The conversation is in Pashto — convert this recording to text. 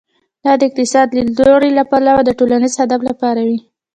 دا د اقتصادي لیدلوري له پلوه د ټولنیز هدف لپاره وي.